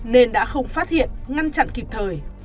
nên đã không phát hiện ngăn chặn kịp thời